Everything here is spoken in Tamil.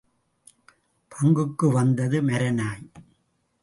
பங்குக்கு வந்தது மர நாய்.